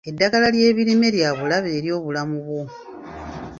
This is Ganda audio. Eddagala ly'ebirime lya bulabe eri obulamu bwo.